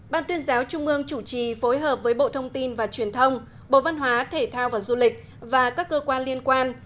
ban tuyên giáo trung ương chủ trì phối hợp với bộ thông tin và truyền thông bộ văn hóa thể thao và du lịch và các cơ quan liên quan